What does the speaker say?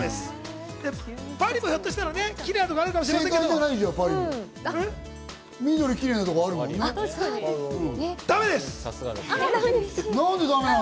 パリもひょっとしたら緑がきれいなところ、あるかもしれない。